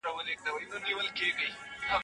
د ښځو حقوق باید په سمه توګه وپېژندل شي.